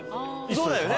そうだよね。